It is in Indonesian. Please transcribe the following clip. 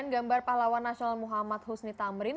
gambar pahlawan nasional dr keihaji idham shalit